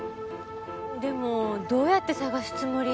でもどうやって捜すつもり？